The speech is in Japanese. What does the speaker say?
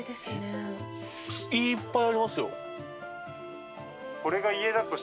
いっぱいありますよ。